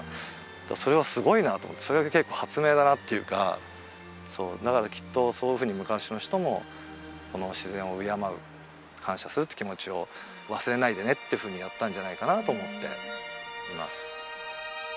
それはすごいなあと思ってそれが結構発明だなというかそうだからきっとそういうふうに昔の人もこの自然を敬う感謝するって気持ちを忘れないでねっていうふうにやったんじゃないかなと思っています